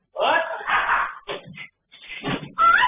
ปลอดภัย